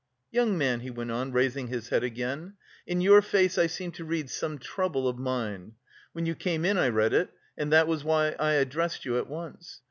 "Young man," he went on, raising his head again, "in your face I seem to read some trouble of mind. When you came in I read it, and that was why I addressed you at once.